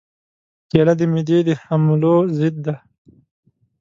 کېله د معدې د حملو ضد ده.